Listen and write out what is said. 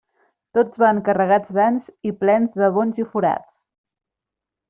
Tots van carregats d'anys i plens de bonys i forats.